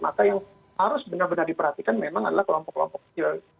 maka yang harus benar benar diperhatikan memang adalah kelompok kelompok kecil